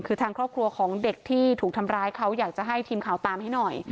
คือทางครอบครัวของเด็กที่ถูกทำร้ายเขาอยากจะให้ทีมข่าวตามให้หน่อย